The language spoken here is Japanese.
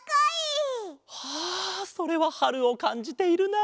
ああそれははるをかんじているな。